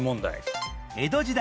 江戸時代